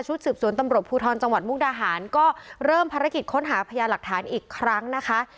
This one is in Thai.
ชุดสืบสวนตำรวบพูทรจังหวัดมุกดาหารอีกกำลังหาภายนซึนสึกก็พยายามอีกครั้งนะคะ